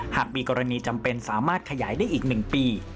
หากมีกรณีจำเป็นสามารถขยายได้อีก๑ปี